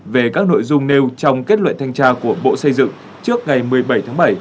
về các nội dung nêu trong kết luận thanh tra của bộ xây dựng trước ngày một mươi bảy tháng bảy